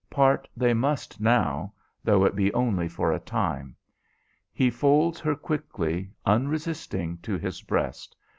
Part they must now, though it be only for a time. He folds her quickly, unresisting, to his breast.